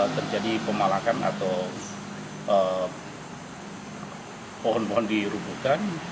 terjadi pemalakan atau pohon pohon dirubukan